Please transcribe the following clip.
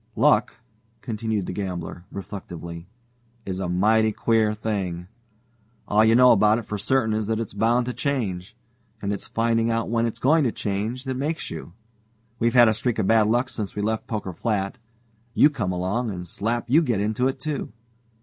Luck," continued the gambler, reflectively, "is a mighty queer thing. All you know about it for certain is that it's bound to change. And it's finding out when it's going to change that makes you. We've had a streak of bad luck since we left Poker Flat you come along, and slap you get into it, too.